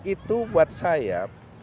itu buat saya